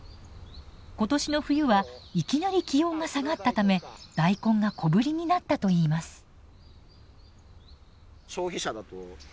今年の冬はいきなり気温が下がったため大根が小ぶりになったといいます。